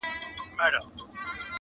د ټولو ورور دی له بازاره سره لوبي کوي-